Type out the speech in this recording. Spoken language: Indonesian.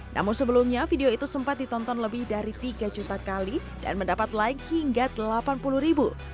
namun sebelumnya video itu sempat ditonton lebih dari tiga juta kali dan mendapat like hingga delapan puluh ribu